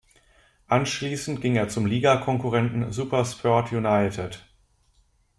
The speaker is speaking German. Anschließend ging er zum Ligakonkurrenten Supersport United.